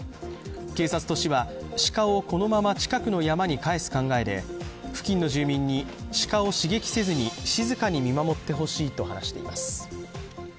警察と市は、鹿をこのまま近くの山に帰す考えで付近の住民に、鹿を刺激せずに静かに見守ってほしいと話しています。